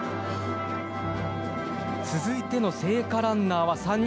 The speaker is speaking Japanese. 続いての聖火ランナーは３人。